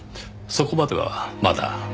そこまではまだ。